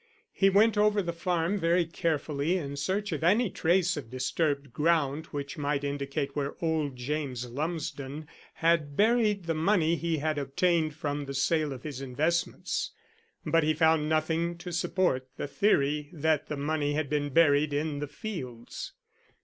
He went over the farm very carefully in search of any trace of disturbed ground which might indicate where old James Lumsden had buried the money he had obtained from the sale of his investments. But he found nothing to support the theory that the money had been buried in the fields.